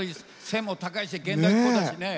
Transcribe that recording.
背も高いし現代っ子だしね。